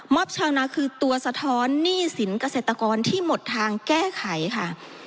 ชาวนาคือตัวสะท้อนหนี้สินเกษตรกรที่หมดทางแก้ไขค่ะ